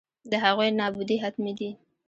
د هغوی نابودي حتمي ده.